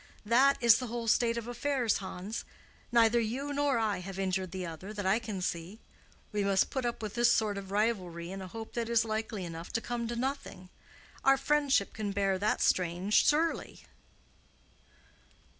That is the whole state of affairs, Hans. Neither you nor I have injured the other, that I can see. We must put up with this sort of rivalry in a hope that is likely enough to come to nothing. Our friendship can bear that strain, surely."